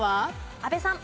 阿部さん。